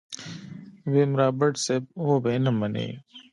ويم رابرټ صيب وبه يې نه منې.